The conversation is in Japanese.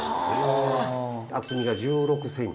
厚みが１６ｃｍ。